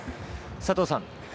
佐藤さん